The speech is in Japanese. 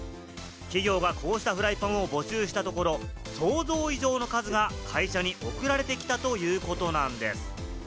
企業がこうしたフライパンを募集したところ、想像以上の数が会社に送られてきたということなんです。